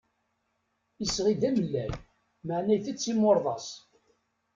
Isɣi d amellal, meεna itett imurḍas.